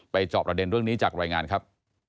จอบประเด็นเรื่องนี้จากรายงานครับ